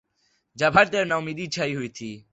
جب ہر طرف ناامیدی چھائی ہوئی تھی۔